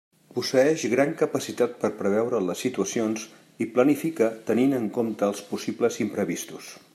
Posseeix gran capacitat per preveure les situacions i planifica tenint en compte els possibles imprevistos.